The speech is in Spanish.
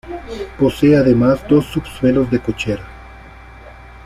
Posee además dos subsuelos de cochera.